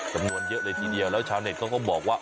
จำนวนเยอะเลยทีเดียวแล้วชาวเน็ตเขาก็บอกว่า